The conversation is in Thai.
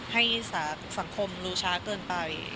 ให้สังคมรู้ช้าเกินไป